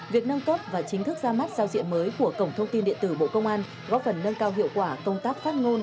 việc nâng cấp và chính thức ra mắt giao diện mới của cổng thông tin điện tử bộ công an góp phần nâng cao hiệu quả công tác phát ngôn